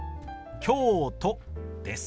「京都」です。